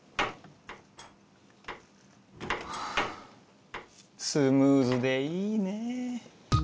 はぁスムーズでいいねえ。